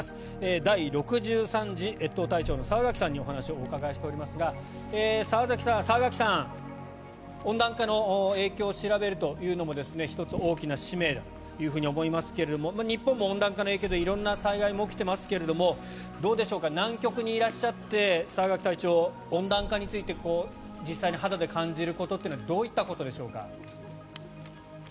第６３次越冬隊長の澤柿さんにお話をお伺いしておりますが澤柿さん、温暖化の影響を調べるというのも１つ大きな使命と思いますが日本も温暖化の影響で色んな災害が起きていますがどうでしょうか南極にいらっしゃって澤柿隊長、温暖化について実際に肌で感じることはどういったことでしょうか？